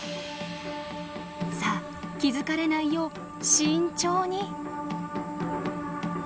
さあ気付かれないよう慎重に。